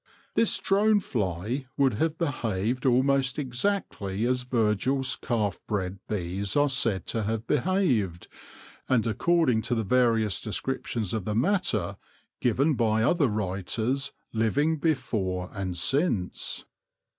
This drone fly would have behaved almost exactly as Virgil's calf bred bees are said to have behaved, and according to the various descriptions of the matter given by other writers living before and 8 THE LORE OF THE HONEY BEE since.